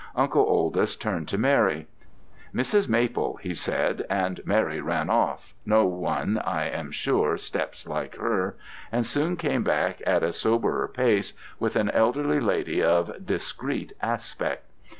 Uncle Oldys turned to Mary. 'Mrs. Maple,' he said, and Mary ran off no one, I am sure, steps like her and soon came back at a soberer pace, with an elderly lady of discreet aspect.